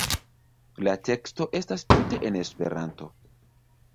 La teksto estas tute en Esperanto.